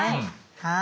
はい。